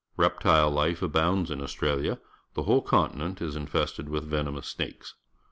Reptile Ufe abounds in AustraUa. The whole continent is infested with venomous snakes.